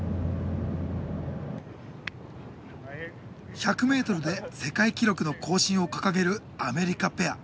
１００ｍで世界記録の更新を掲げるアメリカペア。